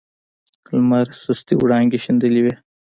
لمر سستې وړانګې شیندلې وې.